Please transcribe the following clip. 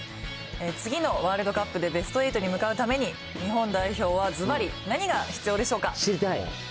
次のワールドカップでベスト８に向かうために、日本代表はず知りたい。